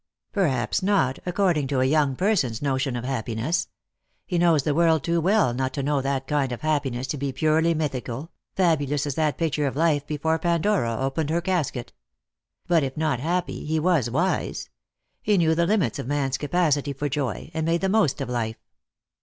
" Perhaps not, according to a young person's notion of hap piness. He knows the world too well not to know that kind of happiness to be purely mythical, fabulous as that picture of life before Pandora opened her casket. But if not happy, he was wise. He knew the limits of man's capacity for joy, and made the most of life."